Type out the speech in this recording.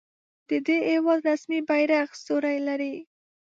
د دې هیواد رسمي بیرغ ستوری لري.